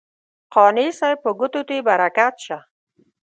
قانع صاحب په ګوتو دې برکت شه.